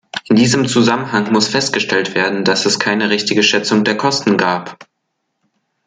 In diesem Zusammenhang muss festgestellt werden, dass es keine richtige Schätzung der Kosten gab.